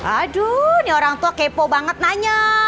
aduh ini orang tua kepo banget nanya